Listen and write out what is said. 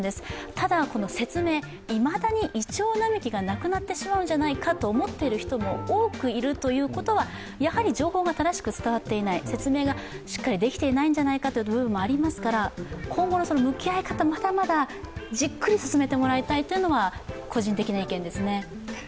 ただ、この説明、いまだにいちょう並木がなくなってしまうんじゃないかと思っている人も多くいるということは、やはり情報が正しく伝わっていない説明がしっかりできていないんじゃないかという部分もありますから、今後の向き合い方、まだまだじっくり進めてもらいたいというのは個人的な意見です。